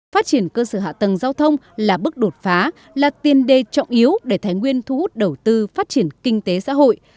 phát triển cơ sở hạ tầng giao thông là bước đột phá là tiền đề trọng yếu để thái nguyên thu hút đầu tư phát triển kinh tế xã hội